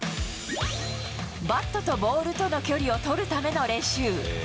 バットとボールとの距離を取るための練習。